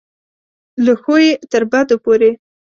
له ښو یې تر بدو پورې.